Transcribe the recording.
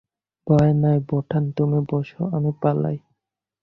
ভয় নাই বোঠান, তুমি বসো, আমি পালাই।